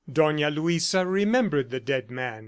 ... Dona Luisa remembered the dead man.